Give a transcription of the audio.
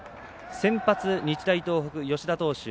先発、日大東北、吉田投手